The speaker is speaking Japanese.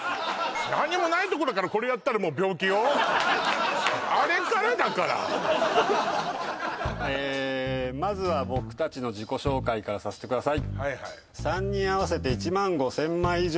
何にもないところからこれやったらもう病気よあれからだからえまずは僕たちの自己紹介からさせてください